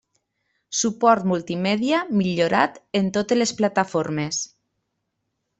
Suport multimèdia millorat en totes les plataformes.